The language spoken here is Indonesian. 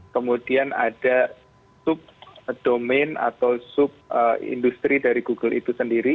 kemudian ada subdomain atau subindustri dari google itu sendiri